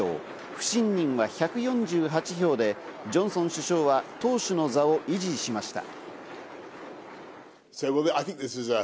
不信任は１４８票で、ジョンソン首相は党首の座を維持しました。